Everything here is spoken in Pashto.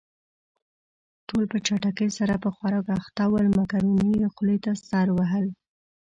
ټول په چټکۍ سره په خوراک اخته ول، مکروني يې خولې ته سر وهل.